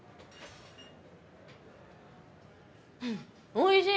おいしい！